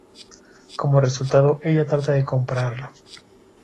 Como resultado, ella trata de comprarlo.